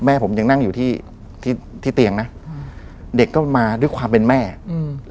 แม่ผมยังนั่งอยู่ที่ที่ที่เตียงนะอืมเด็กก็มาด้วยความเป็นแม่อืม